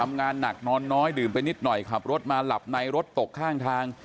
ทำงานหนักนอนน้อยดื่มไปนิดหน่อยขับรถมาหลับในรถตกข้างทาง